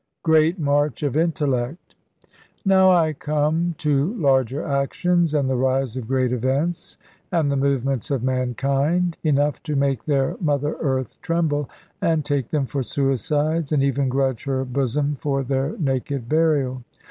GREAT MARCH OF INTELLECT. Now I come to larger actions, and the rise of great events, and the movements of mankind, enough to make their mother earth tremble, and take them for suicides, and even grudge her bosom for their naked burial.